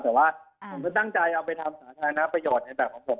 แต่ว่าผมก็ตั้งใจเอาไปทำสาธารณประโยชน์ในแบบของผม